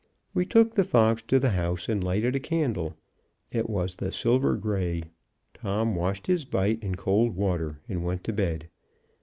We took the fox to the house and lighted a candle. It was the "silver gray." Tom washed his bite in cold water and went to bed.